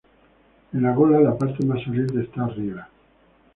En la gola la parte más saliente está arriba.